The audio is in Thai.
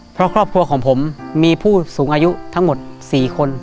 เพราะครอบครัวของผมมีผู้สูงอายุทั้งหมด๔คน